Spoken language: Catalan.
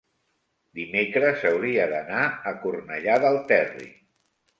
dimecres hauria d'anar a Cornellà del Terri.